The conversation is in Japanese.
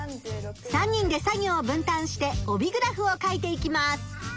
３人で作業を分たんして帯グラフを書いていきます。